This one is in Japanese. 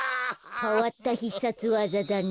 かわったひっさつわざだね。